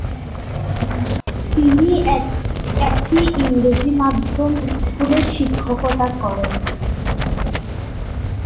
তিনি একটি ইংরেজি মাধ্যম স্কুলে শিক্ষকতা করেন।